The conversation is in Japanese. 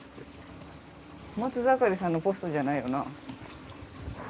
松盛さんのポストじゃないよな。